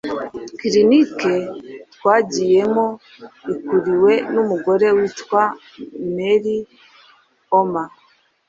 clinic' twagiyemo ikuriwe n'umugore witwa mary auma,